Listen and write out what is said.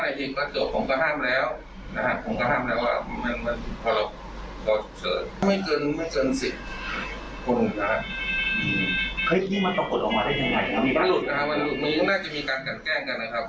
มันหลุดนะครับมันหลุดนี่ก็น่าจะมีการกันแก้งกันนะครับ